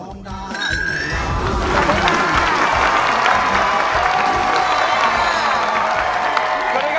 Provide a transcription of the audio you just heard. ร้องได้ให้ร้อง